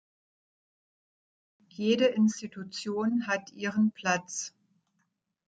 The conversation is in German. Jede Institution hat ihren Platz.